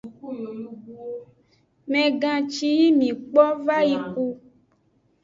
Megan ci yi mi kpo vayi ku.